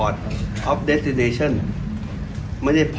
ตัดสบาย